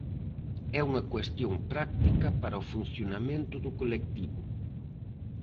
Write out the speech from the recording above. É unha cuestión práctica para o funcionamento do colectivo.